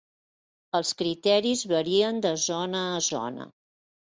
Els criteris varien de zona a zona.